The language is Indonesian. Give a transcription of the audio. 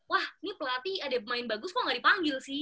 wah ini pelatih ada pemain bagus kok nggak dipanggil sih